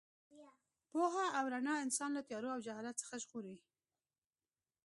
پوهه او رڼا انسان له تیارو او جهالت څخه ژغوري.